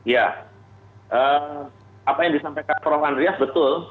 ya apa yang disampaikan prof dwi andreas betul